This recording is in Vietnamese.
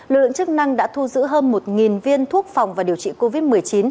lực lượng chức năng đã thu giữ hơn một viên thuốc phòng và điều trị covid một mươi chín